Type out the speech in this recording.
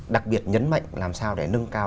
đặc biệt nhấn mạnh làm sao để nâng cao